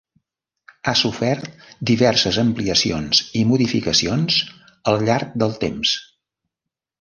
Ha sofert diverses ampliacions i modificacions al llarg del temps.